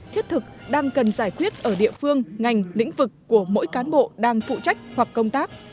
thiết thực đang cần giải quyết ở địa phương ngành lĩnh vực của mỗi cán bộ đang phụ trách hoặc công tác